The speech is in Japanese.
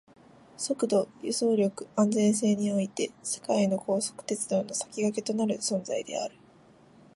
速度、輸送力、安全性において世界の高速鉄道の先駆けとなる存在である